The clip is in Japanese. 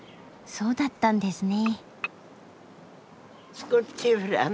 そうだったんですね。